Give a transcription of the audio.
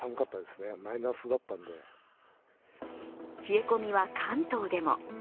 冷え込みは関東でも。